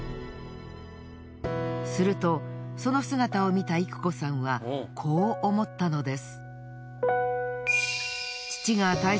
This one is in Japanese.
するとその姿を見たいく子さんはこう思ったのです。